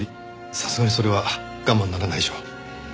さすがにそれは我慢ならないでしょう。